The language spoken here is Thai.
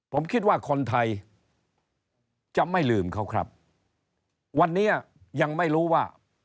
ผมคิดว่าคนไทยจะไม่ลืมเขาครับวันนี้ยังไม่รู้ว่า